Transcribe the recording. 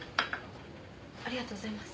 ありがとうございます。